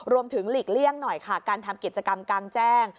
หลีกเลี่ยงหน่อยค่ะการทำกิจกรรมกลางแจ้ง